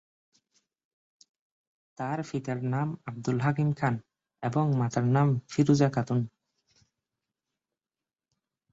তার পিতার নাম আব্দুল হাকিম খান, এবং মাতার নাম ফিরোজা খাতুন।